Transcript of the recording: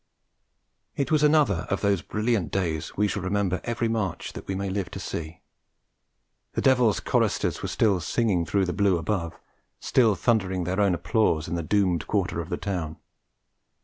It was another of those brilliant days we shall remember every March that we may live to see. The devil's choristers were still singing through the blue above, still thundering their own applause in the doomed quarter of the town.